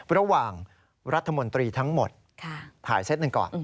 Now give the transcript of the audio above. ระหว่างรัฐมนตรีทั้งหมดถ่ายเซตหนึ่งก่อน